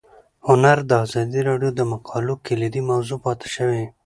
هنر د ازادي راډیو د مقالو کلیدي موضوع پاتې شوی.